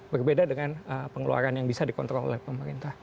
berbeda dengan pengeluaran yang bisa dikontrol oleh pemerintah